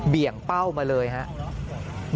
เบี่ยงเป้ามาเลยครับ